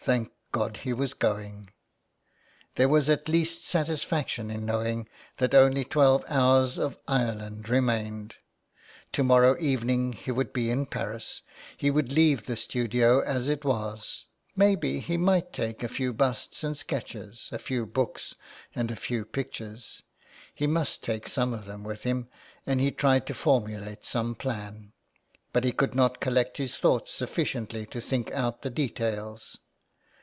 Thank God he was going ! There was at least satisfaction in knowing that only twelve hours of Ireland remained. To morrow evening he would be in Paris. He would leave the studio as it was. Maybe he might take a few busts and sketches, a few books, and a few pictures ; he must take some of them with him, and he tried to formulate some plan. But he could not collect his thoughts sufficiently to think out the details.